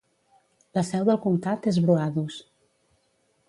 La seu del comtat és Broadus.